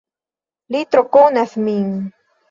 Li tro konas min.